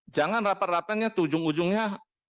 jangan rapat rapatnya tuh ujung ujungnya